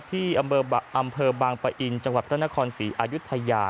ที่อำเภอบางปะอินจังหวัดพระนครศรีอายุทยา